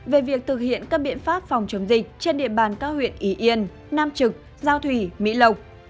về việc thực hiện các biện pháp phòng chống dịch trên địa bàn các huyện y yên nam trực giao thủy mỹ lộc